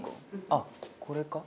あっこれか？